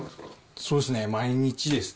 そうですね、毎日ですね。